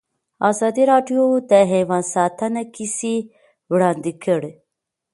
ازادي راډیو د حیوان ساتنه کیسې وړاندې کړي.